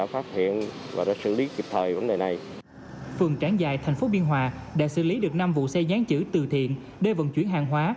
phương tráng giài thành phố biên hòa đã xử lý được năm vụ xe dán chữ tự thiện để vận chuyển hàng hóa